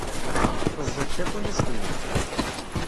Teẓẓeg tafunast-nni.